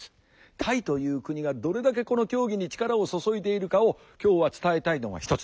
タイという国がどれだけこの競技に力を注いでいるかを今日は伝えたいのが一つ。